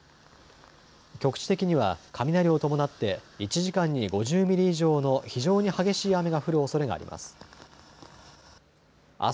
局地的には雷を伴って１時間に５０ミリ以上の非常に激しい雨が降るおそれがあります。